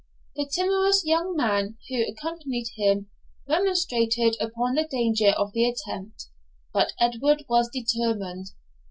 The timorous young man who accompanied him remonstrated upon the danger of the attempt, but Edward was determined.